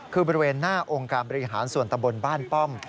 คือบริเวณหน้าองค์การบริหารส่วนตำบลบ้านป้อม